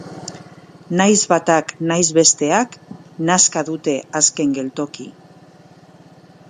Nahiz batak nahiz besteak nazka dute azken geltoki.